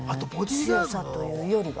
強さというよりは。